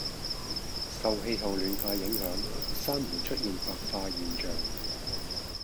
受氣候暖化影響珊瑚出現白化現象